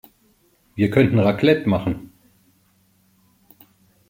Wir könnten Raclette machen.